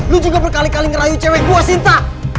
lu juga berkali kali ngerayu cewek gue sinta